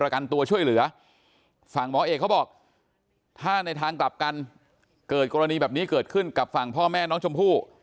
เกิดกรณีแบบนี้เกิดขึ้นกับฝั่งพ่อแม่น้องชมพู่